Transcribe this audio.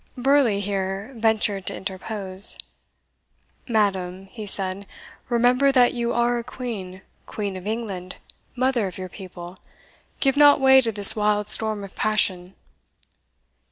Burleigh here ventured to interpose. "Madam," he said, "remember that you are a Queen Queen of England mother of your people. Give not way to this wild storm of passion."